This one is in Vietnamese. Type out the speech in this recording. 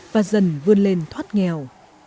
và dần vươn lên thoát nghèo